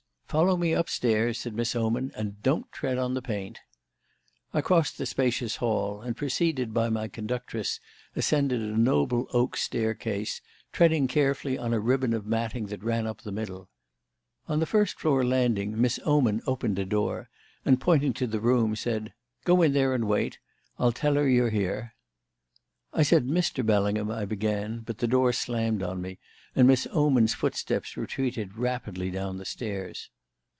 "Follow me upstairs," said Miss Oman, "and don't tread on the paint." I crossed the spacious hall, and, preceded by my conductress, ascended a noble oak staircase, treading carefully on a ribbon of matting that ran up the middle. On the first floor landing Miss Oman opened a door and, pointing to the room, said: "Go in there and wait; I'll tell her you're here." "I said Mr. Bellingham " I began; but the door slammed on me, and Miss Oman's footsteps retreated rapidly down the stairs.